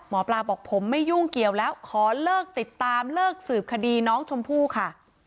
หมอปลาบอกผมไม่ยุ่งเกี่ยวแล้วขอเลิกติดตามเลิกสืบคดีน้องชมพู่ค่ะ